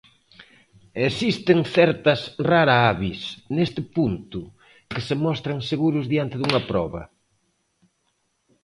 Existen certas rara avis, neste punto, que se mostran seguros diante dunha proba.